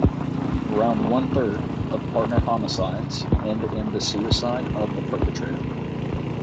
Around one-third of partner homicides end in the suicide of the perpetrator.